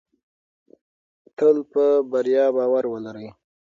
تل په بریا باور ولرئ.